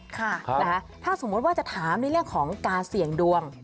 ถ้าสมมติว่าจะถามในเรื่องของการเสี่ยงดวง